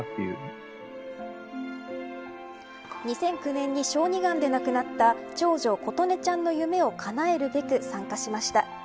２００９年に小児がんで亡くなった長女、紀音ちゃんの夢を叶えるべく参加しました。